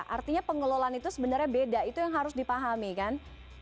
artinya pengelolaan itu sebenarnya beda itu yang harus dipahami kan